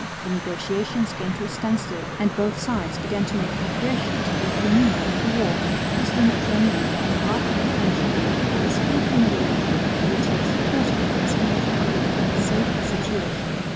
The negotiations came to a standstill, and both sides began to make preparations for a renewal of the war. President Jeannin on behalf of the French king, by his skilful mediation, in which he was supported by his English colleague, saved the situation.